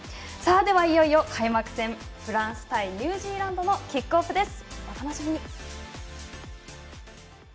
いよいよ開幕戦フランス対ニュージーランドのキックオフです。